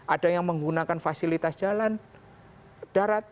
ada yang menggunakan fasilitas jalan darat